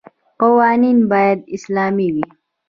قوانین باید اسلامي وي.